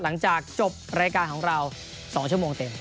หลังจากจบรายการของเรา๒ชั่วโมงเต็ม